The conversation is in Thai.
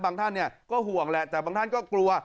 บางท่านเนี่ยก็ห่วงแหละแต่บางท่านก็กลัว